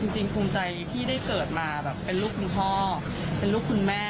จริงภูมิใจที่ได้เกิดมาแบบเป็นลูกคุณพ่อเป็นลูกคุณแม่